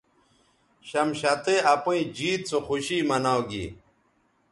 شمشتئ اپئیں جیت سو خوشی مناؤ گی